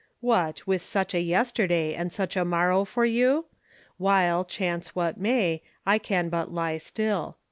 "What, with such a yesterday, and such a morrow for you? while, chance what may, I can but lie still.